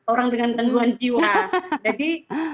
orang dengan tenduhan jiwa jadi